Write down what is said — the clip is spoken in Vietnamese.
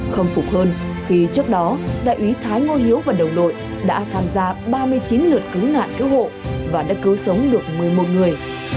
khâm phục hơn khi trước đó đại úy thái ngô hiếu và đồng đội đã tham gia ba mươi chín lượt cứu nạn cứu hộ và đã cứu sống được một mươi một người